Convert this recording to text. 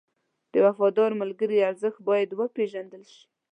د وفادار ملګري ارزښت باید وپېژندل شي.